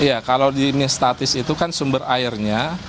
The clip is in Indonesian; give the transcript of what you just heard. iya kalau di mie statis itu kan sumber airnya